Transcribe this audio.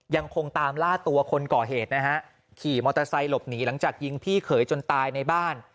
ยังคงตามล่าตัวคนก่อเหตุนะฮะขี่มอเตอร์ไซค์หลบหนีหลังจากยิงพี่เขยจนตายในบ้าน